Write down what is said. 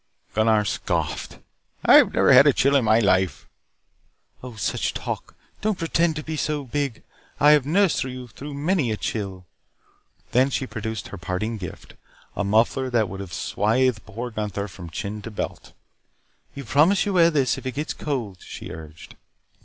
Gunnar scoffed, "I never had a chill in my life." "Oh, such talk. Don't pretend to be so big. I have nursed you through many a chill." Then she produced her parting gift a muffler that would have swathed poor Gunnar from chin to belt. "You promise you wear this if it gets cold," she urged.